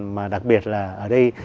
mà đặc biệt là ở đây